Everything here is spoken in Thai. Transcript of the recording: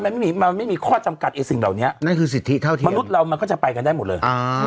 มันไม่มีข้อจำกัดไอ้สิ่งเหล่านี้มนุษย์เรามันก็จะไปกันได้หมดเลย